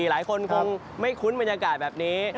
หลายคนคงไม่คุ้นบรรยากาศแบบนี้